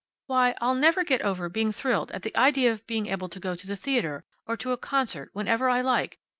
Why, I'll never get over being thrilled at the idea of being able to go to the theater, or to a concert, whenever I like.